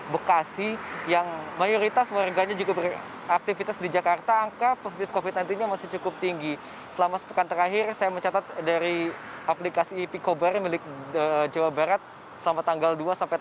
barat sama tanggal dua sampai tanggal